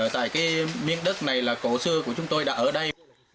tại cái miếng đất này là cổ xưa của chúng tôi đã ở đây